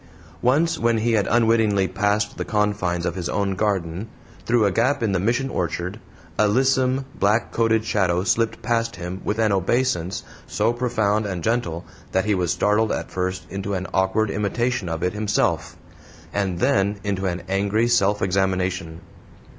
Once, when he had unwittingly passed the confines of his own garden, through a gap in the Mission orchard, a lissome, black coated shadow slipped past him with an obeisance so profound and gentle that he was startled at first into an awkward imitation of it himself, and then into an angry self examination.